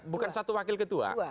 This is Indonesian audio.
bukan satu wakil ketua